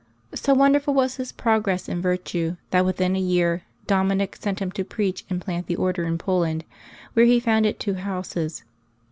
So wonderful was his progress in virtue that within a year Dominic sent him to preach and plant the Order in Poland, where he founded two houses.